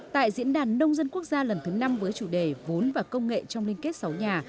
tại diễn đàn nông dân quốc gia lần thứ năm với chủ đề vốn và công nghệ trong liên kết sáu nhà